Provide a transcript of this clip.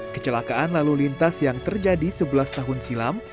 kecelakaan lalu lintas yang terjadi sebelas tahun silam